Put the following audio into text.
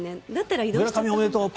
村上、おめでとう！